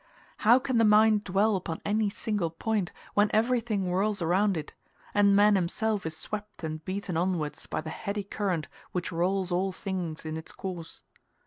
How can the mind dwell upon any single point, when everything whirls around it, and man himself is swept and beaten onwards by the heady current which rolls all things in its course?